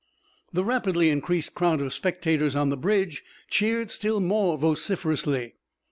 The rapidly increasing crowd of spectators on the bridge cheered still more vociferously.